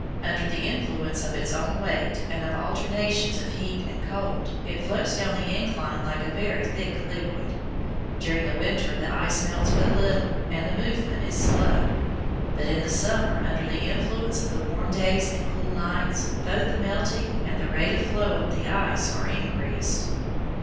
Under the influence of its own weight and of alternations of heat and cold, it flows down the incline like a very thick liquid. During the winter the ice melts but little, and the movement is slow, but in the summer, under the influence of the warm days and cool nights, both the melting and the rate of flow of the ice are increased.